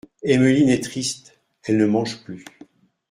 Emmeline est triste… elle ne mange plus.